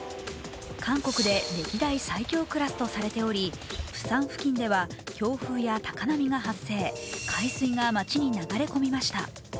韓国で歴代最強クラスとされておりプサン付近では強風や高波が発生海水が街に流れ込みました。